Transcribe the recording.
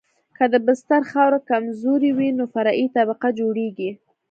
که د بستر خاوره کمزورې وي نو فرعي طبقه جوړیږي